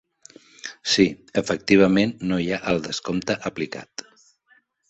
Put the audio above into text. Sí, efectivament no hi ha el descompte aplicat.